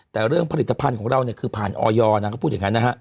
แต่เรื่องผลิตภัณฑ์ของเราเนี่ยคือผ่านออยนางก็พูดอย่างนั้นนะฮะ